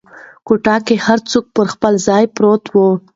کوټه کې هر څه پر خپل ځای پراته وو.